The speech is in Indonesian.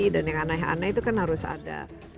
dan yang aneh aneh itu kan harus ada